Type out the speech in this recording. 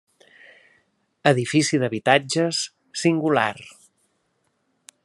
Edifici d'habitatges, singular.